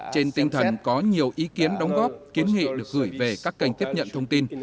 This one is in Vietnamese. trên tinh thần có nhiều ý kiến đóng góp kiến nghị được gửi về các kênh tiếp nhận thông tin